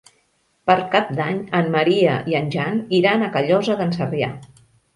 Per Cap d'Any en Maria i en Jan iran a Callosa d'en Sarrià.